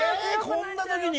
こんな時に？